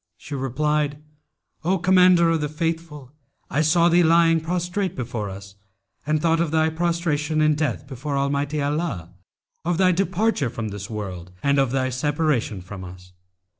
She replied, 'O Commander of the Faithful, I saw thee lying prostrate before us and thought of thy prostration in death before Almighty Allah, of thy departure from the world and of thy separation from us.